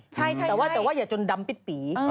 ใช่แต่ว่าอย่าจนดำปิดปี